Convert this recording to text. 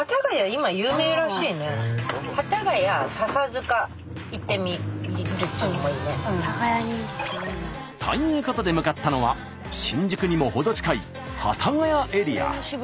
続いてということで向かったのは新宿にも程近い幡ヶ谷エリア。